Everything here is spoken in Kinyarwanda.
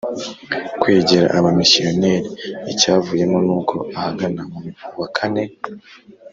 kwegera abamisiyoneri Icyavuyemo nuko ahagana mu wa kane